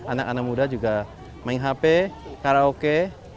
anak anak muda juga main hp karaoke